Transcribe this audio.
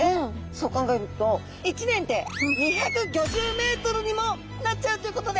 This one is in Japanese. そう考えると１年で２５０ｍにもなっちゃうということです。